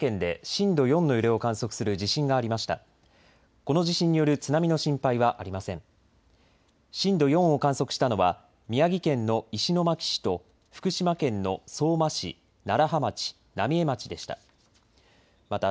震度４を観測したのは宮城県の石巻市と福島県の相馬市、楢葉町、浪江町でした。